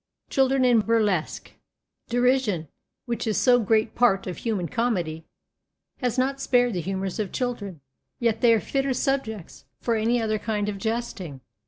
CHILDREN IN BURLESQUE Derision, which is so great a part of human comedy, has not spared the humours of children. Yet they are fitter subjects for any other kind of jesting.